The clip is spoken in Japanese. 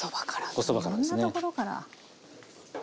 いろんなところから。